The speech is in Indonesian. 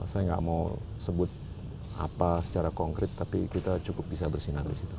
saya nggak mau sebut apa secara konkret tapi kita cukup bisa bersinar di situ